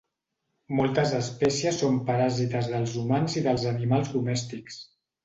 Moltes espècies són paràsites dels humans i dels animals domèstics.